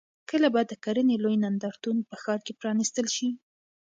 کله به د کرنې لوی نندارتون په ښار کې پرانیستل شي؟